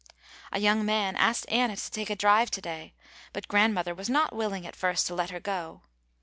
A young man asked Anna to take a drive to day, but Grandmother was not willing at first to let her go.